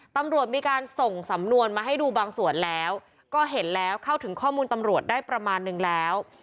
ตำรวจมีการส่งสำนวนมาให้ดูบางส่วนแล้วก็เห็นแล้วเข้าถึงข้อมูลตำรวจได้ประมาณนึงแล้ว